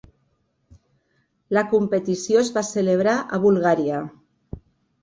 La competició es va celebrar a Bulgària.